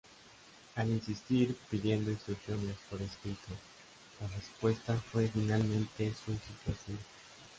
Al insistir pidiendo instrucciones por escrito, la respuesta fue finalmente su sustitución.